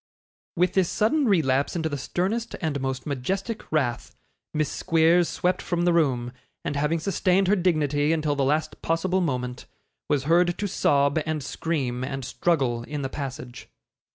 With this sudden relapse into the sternest and most majestic wrath, Miss Squeers swept from the room; and having sustained her dignity until the last possible moment, was heard to sob and scream and struggle in the passage.